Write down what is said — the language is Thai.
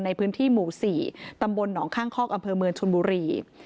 ในพื้นที่หมู่๔ตำบลหนองข้างคอกอำเภอเมืองชนบุรี